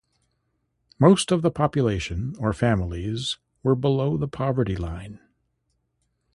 Most of the population or families were below the poverty line.